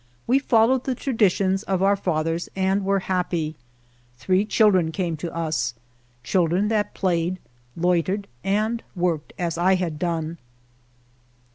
We followed the traditions of our fathers and were happy. Three chil dren came to us — children that played, loi tered, and worked as I had done.